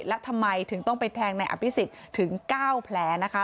และทำไมถึงต้องไปแทงในอภิษฎถึง๙แผลนะคะ